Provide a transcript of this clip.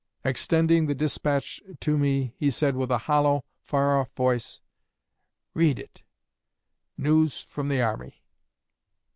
Extending the despatch to me, he said, with a hollow, far off voice, 'Read it news from the army.'